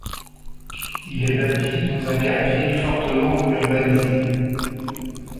Il est bâti dans un quartier fortement urbanisé.